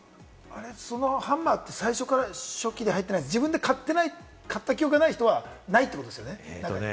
そのハンマーって最初から初期で入っていない自分で買った記憶がない人はないってことですよね。